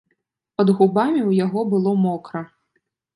Пад губамі ў яго было мокра.